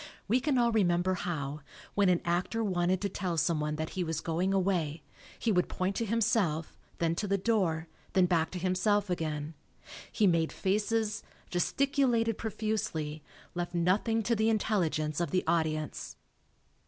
We can all re member how, when an actor wanted to tell someone that he was going away, he would point to himself, then to the door, then back to himself again. He made faces, gesticulated profusely, left nothing to the intelligence of the audience.